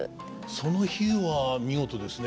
その比喩は見事ですね。